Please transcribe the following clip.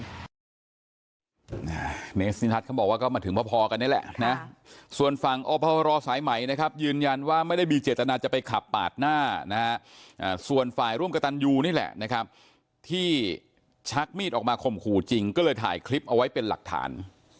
เนสนิทัศน์เขาบอกว่าก็มาถึงพอกันนี่แหละนะส่วนฝั่งอพรสายใหม่นะครับยืนยันว่าไม่ได้มีเจตนาจะไปขับปาดหน้านะฮะส่วนฝ่ายร่วมกระตันยูนี่แหละนะครับที่ชักมีดออกมาข่มขู่จริงก็เลยถ่ายคลิปเอาไว้เป็นหลักฐาน